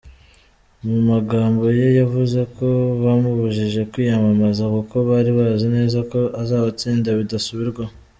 Mu magambo ye yavuze ko bamubujije kwiyamamaza, kuko bari bazi neza ko azabatsinda bidasubirwaho.